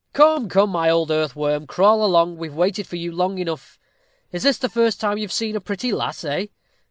Come, come, my old earthworm, crawl along, we have waited for you long enough. Is this the first time you have seen a pretty lass, eh?"